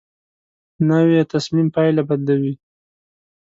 نوې تصمیم پایله بدلوي